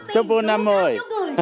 chúc mừng năm mới